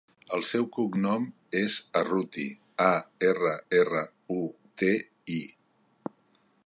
El seu cognom és Arruti: a, erra, erra, u, te, i.